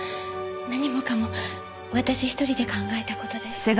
何もかも私一人で考えた事です。